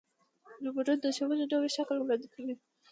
روبوټونه د ښوونې نوی شکل وړاندې کوي.